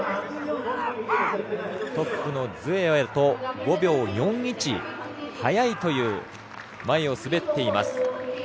トップのズエワより５秒４１早いという前を滑っています